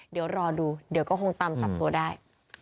เดี๋ยวรอดูเดี๋ยวก็คงตามจับตัวได้